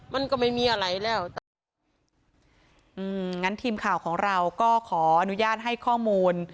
มันก็ไม่มีอะไรแล้วแต่อืมงั้นทีมข่าวของเราก็ขออนุญาตให้ข้อมูล